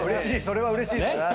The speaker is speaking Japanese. それはうれしいです。